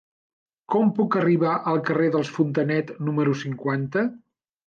Com puc arribar al carrer dels Fontanet número cinquanta?